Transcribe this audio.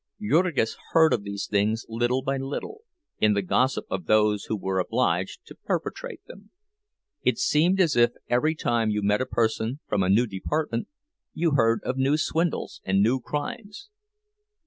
_ Jurgis heard of these things little by little, in the gossip of those who were obliged to perpetrate them. It seemed as if every time you met a person from a new department, you heard of new swindles and new crimes.